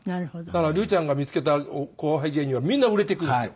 だから竜ちゃんが見つけた後輩芸人はみんな売れていくんですよ。